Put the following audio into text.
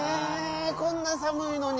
こんなさむいのに。